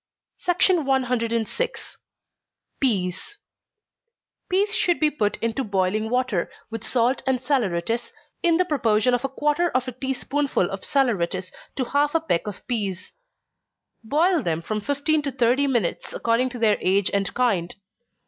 106. Peas. Peas should be put into boiling water, with salt and saleratus, in the proportion of a quarter of a tea spoonful of saleratus to half a peck of peas. Boil them from fifteen to thirty minutes, according to their age and kind.